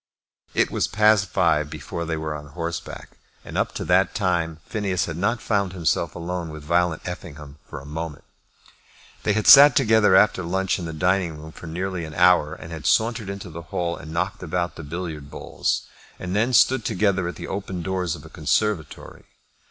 It was past five before they were on horseback, and up to that time Phineas had not found himself alone with Violet Effingham for a moment. They had sat together after lunch in the dining room for nearly an hour, and had sauntered into the hall and knocked about the billiard balls, and then stood together at the open doors of a conservatory.